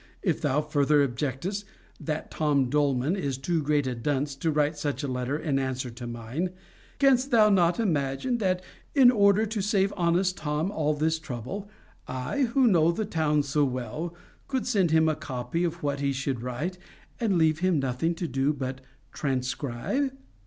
If thou further objectest, that Tom Doleman, is too great a dunce to write such a letter in answer to mine: Canst thou not imagine that, in order to save honest Tom all this trouble, I who know the town so well, could send him a copy of what he should write, and leave him nothing to do but transcribe?